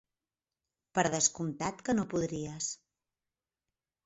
Per descomptat que no podries.